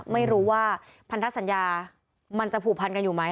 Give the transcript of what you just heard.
ไม่รู้ว่าพันธสัญญามันจะผูกพันกันอยู่ไหม